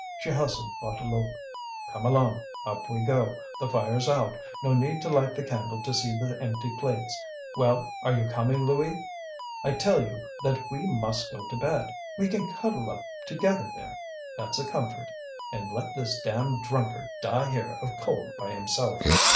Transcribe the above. She hustled Bouteloup. "Come along, up we go. The fire's out. No need to light the candle to see the empty plates. Well, are you coming, Louis? I tell you that we must go to bed. We can cuddle up together there, that's a comfort. And let this damned drunkard die here of cold by himself!"